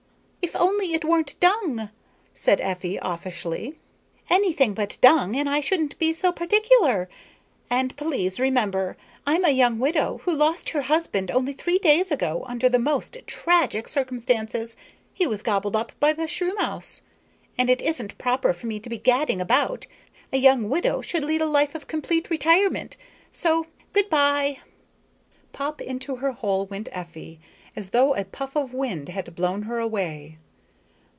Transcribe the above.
"If only it weren't dung," said Effie offishly, "anything but dung, I shouldn't be so particular. And please remember, I'm a young widow who lost her husband only three days ago under the most tragic circumstances he was gobbled up by the shrewmouse and it isn't proper for me to be gadding about. A young widow should lead a life of complete retirement. So good by." Pop into her hole went Effie, as though a puff of wind had blown her away.